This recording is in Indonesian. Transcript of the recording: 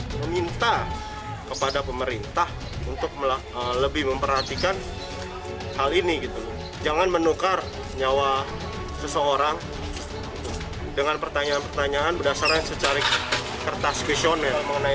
seorang dengan pertanyaan pertanyaan berdasarkan secara kertas visionel mengenai otopsi kami pihak keluarga menyatakan kami sangat sangat bersedia